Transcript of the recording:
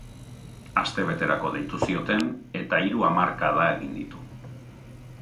Astebeterako deitu zioten eta hiru hamarkada egin ditu.